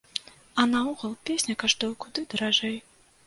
А наогул, песня каштуе куды даражэй.